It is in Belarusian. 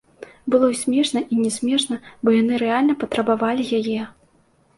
Было і смешна, і не смешна, бо яны рэальна патрабавалі яе.